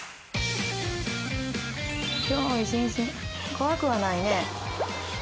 怖くはないね。